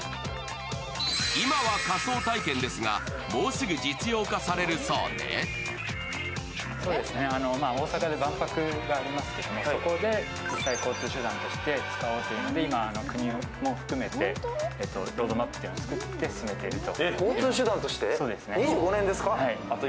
今は仮想体験ですが、もうすぐ実用化されるそうで大阪で万博がありますけれども、そこで実際交通手段として使おうということで今、国も含めてロードマップというのを作って進めていると。